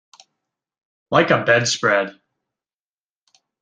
Like a bedspread.